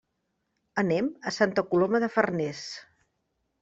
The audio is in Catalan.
Anem a Santa Coloma de Farners.